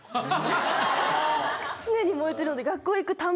常に燃えてるんで。